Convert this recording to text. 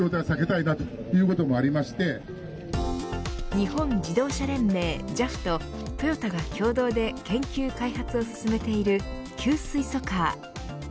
日本自動車連盟ＪＡＦとトヨタが共同で研究開発を進めている給水素カー。